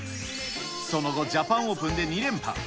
その後、ジャパンオープンで２連覇。